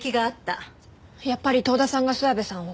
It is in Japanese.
やっぱり遠田さんが諏訪部さんを？